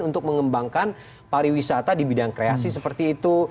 untuk mengembangkan pariwisata di bidang kreasi seperti itu